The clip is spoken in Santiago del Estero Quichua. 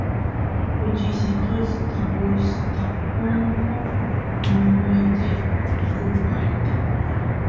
kuchisitusta gustapukun ñuñuta chupayta